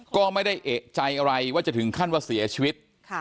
ก็ไม่ได้เอกใจอะไรว่าจะถึงขั้นว่าเสียชีวิต